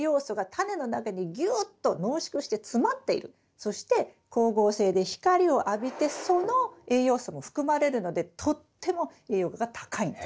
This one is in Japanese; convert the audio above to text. そして光合成で光を浴びてその栄養素も含まれるのでとっても栄養価が高いんです。